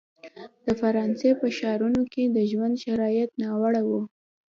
د فرانسې په ښارونو کې د ژوند شرایط ناوړه وو.